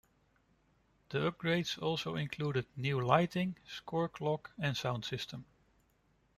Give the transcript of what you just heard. The upgrades also included new lighting, score clock and sound system.